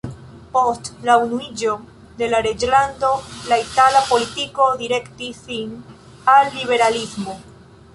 Post la unuiĝo de la Reĝlando la itala politiko direktis sin al liberalismo.